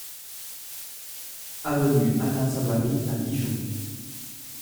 Avenue Alain Savary à Dijon